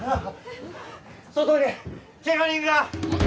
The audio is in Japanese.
外にケガ人が！